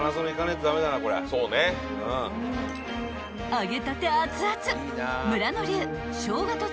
［揚げたて熱々］